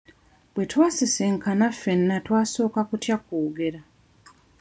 Bwe twasisinkana ffenna twasooka kutya okwogera.